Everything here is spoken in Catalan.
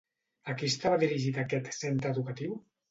A qui estava dirigit aquest centre educatiu?